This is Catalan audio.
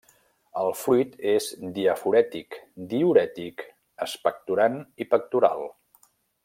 El fruit és diaforètic, diürètic, expectorant i pectoral.